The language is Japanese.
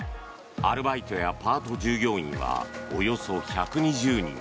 アルバイトやパート従業員はおよそ１２０人。